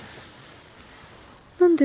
何で？